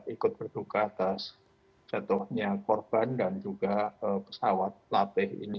ikut berduka atas jatuhnya korban dan juga pesawat latih ini